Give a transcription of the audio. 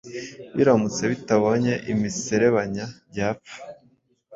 biramutse bitabonye imiserebanya byapfa